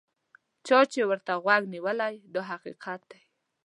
چا چې ورته غوږ نیولی دا حقیقت دی.